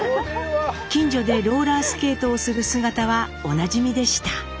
近所でローラースケートをする姿はおなじみでした。